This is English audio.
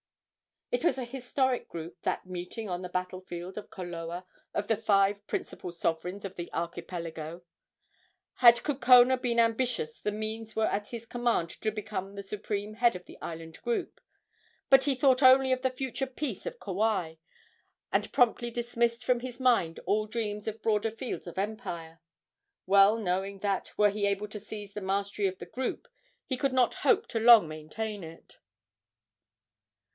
It was a historic group, that meeting on the battle field of Koloa of the five principal sovereigns of the archipelago. Had Kukona been ambitious the means were at his command to become the supreme head of the island group; but he thought only of the future peace of Kauai, and promptly dismissed from his mind all dreams of broader fields of empire, well knowing that, were he able to seize the mastery of the group, he could not hope to long maintain it.